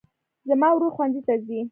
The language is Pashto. زما ورور ښوونځي ته ځي